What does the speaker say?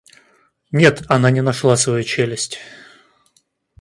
Нет, она не нашла свою челюсть.